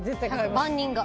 万人が。